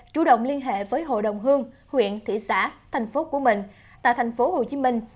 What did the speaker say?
chủ động liên hệ với hội đồng hương huyện thị xã thành phố của mình tại thành phố hồ chí minh